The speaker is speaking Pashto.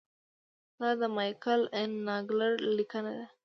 دا د مایکل این ناګلر لیکنه ده.